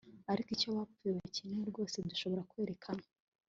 ariko icyo abapfuye bakeneye, rwose dushobora kwerekana